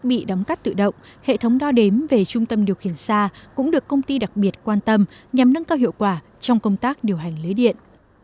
bị đóng cắt tự động hệ thống đo đếm về trung tâm điều khiển xa cũng được công ty đặc biệt quan tâm nhằm nâng cao hiệu quả trong công tác điều hành lưới điện